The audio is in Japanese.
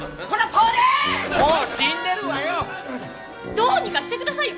どうにかしてくださいよ！